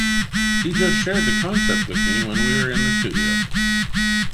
He just shared the concept with me when we were in the studio.